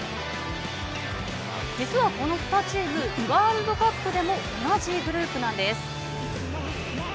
実はこの２チームワールドカップでも同じグループなんです。